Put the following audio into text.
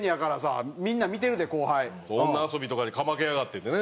女遊びとかにかまけやがってってね